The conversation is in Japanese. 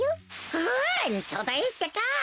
うんちょうどいいってか！